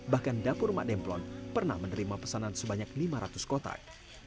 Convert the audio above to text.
bahkan dapur mak demplon pernah menerima pesanan sebanyak lima ratus kotak